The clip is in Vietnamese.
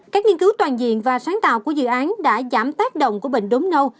các nghiên cứu toàn diện và sáng tạo của dự án đã giảm tác động của bệnh đốm nâu